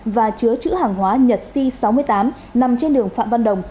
và chứa chữ hàng hóa nhật c sáu mươi tám nằm trên đường phạm văn đồng